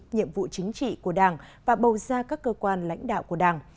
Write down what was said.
nhiệm vụ chính trị của đảng và bầu ra các cơ quan lãnh đạo của đảng